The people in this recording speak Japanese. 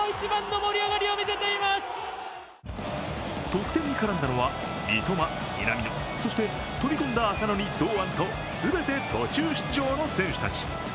得点に絡んだのは、三笘、南野そして飛び込んだ浅野に堂安と全て途中出場の選手たち。